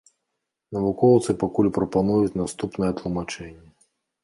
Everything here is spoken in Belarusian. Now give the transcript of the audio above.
Навукоўцы пакуль прапануюць наступнае тлумачэнне.